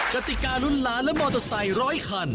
กฎิกาลุ้นล้านและมอเตอร์ไซค์๑๐๐คัน